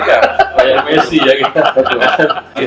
oh ya kayak messi ya